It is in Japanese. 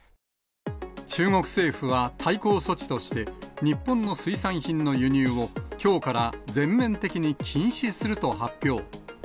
中国政府は対抗措置として、日本の水産品の輸入を、きょうから全面的に禁止すると発表。